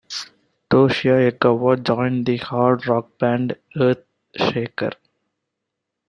Toshio Egawa joined the hard rock band Earthshaker.